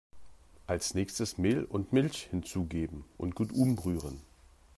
Als nächstes Mehl und Milch hinzugeben und gut umrühren.